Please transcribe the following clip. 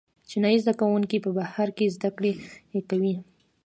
چینايي زده کوونکي په بهر کې زده کړې کوي.